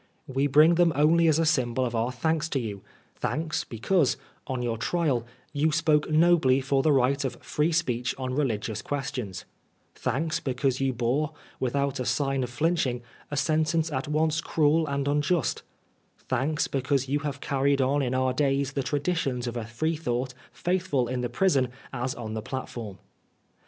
We bring them only as a qn^bol of our thanks to you — ^thanks, because, on your trial, you spoke nobly for the right of free speech on religious questions ; thanks, because you bore, without a sign of flinching, a sentence at once cruel and unjust; thanks, l^cause you huwe earned on in our days the traditions of a Freethought faithful in the prison as on the plat form.